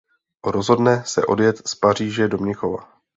Rozhodne se odjet z Paříže do Mnichova.